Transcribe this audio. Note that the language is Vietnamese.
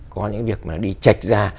có những việc mà đi chạch ra